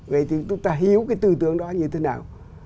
vậy thì chúng ta hiểu cái tư tưởng đó như thế nào